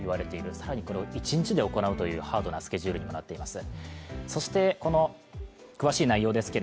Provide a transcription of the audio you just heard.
更にこれを１日で行うというハードなスケジュールになっています。